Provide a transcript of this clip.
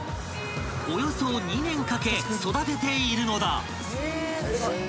［およそ２年かけ育てているのだ］